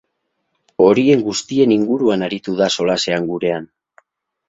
Horien guztien inguruan aritu da solasean gurean.